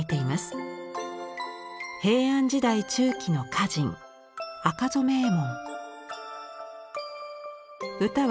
平安時代中期の歌人赤染衛門。